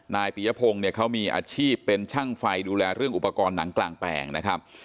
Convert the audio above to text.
ปียพงศ์เนี่ยเขามีอาชีพเป็นช่างไฟดูแลเรื่องอุปกรณ์หนังกลางแปลงนะครับ